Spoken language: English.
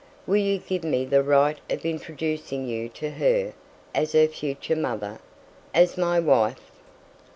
Will you give me the right of introducing you to her as her future mother; as my wife?"